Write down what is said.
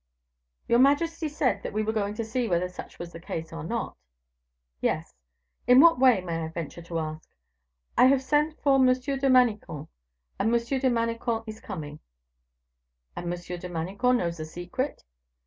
"Your majesty said that we were going to see whether such was the case, or not." "Yes." "In what way, may I venture to ask?" "I have sent for M. de Manicamp, and M. de Manicamp is coming." "And M. de Manicamp knows the secret?"